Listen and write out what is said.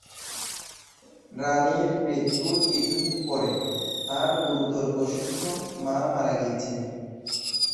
রানির মৃত্যুর কিছুদিন পরে তার গুরুতর অসুস্থ মা মারা গিয়েছিলেন।